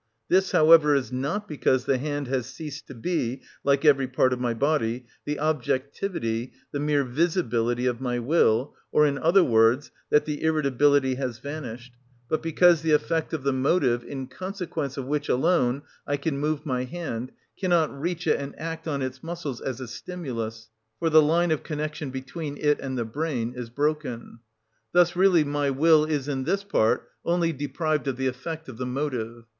This, however, is not because the hand has ceased to be, like every part of my body, the objectivity, the mere visibility, of my will, or in other words, that the irritability has vanished, but because the effect of the motive, in consequence of which alone I can move my hand, cannot reach it and act on its muscles as a stimulus, for the line of connection between it and the brain is broken. Thus really my will is, in this part, only deprived of the effect of the motive.